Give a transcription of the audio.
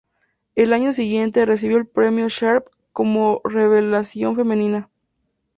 El año siguiente, recibió el "Premio Sharp" como revelación femenina.